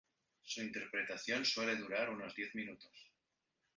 Su interpretación suele durar unos diez minutos.